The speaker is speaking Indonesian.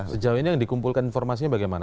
sejauh ini yang dikumpulkan informasinya bagaimana